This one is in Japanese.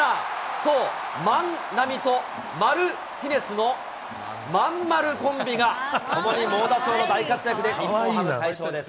そう、万波とマルティネスのまんまるコンビが、共に猛打賞の大活躍で、日本ハム快勝です。